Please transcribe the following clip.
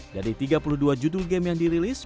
dari tiga puluh dua judul game yang dirilis